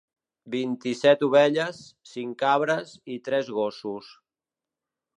Vint-i-set ovelles, cinc cabres i tres gossos.